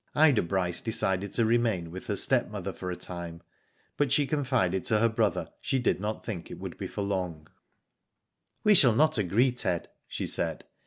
Ida Bryce decided to remain with her step mother for a time, but she confided to her brother, she did not think it would be for long, *' We shall not agree, Ted," she said.